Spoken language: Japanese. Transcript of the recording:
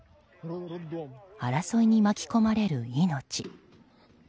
争いに巻き込まれる命。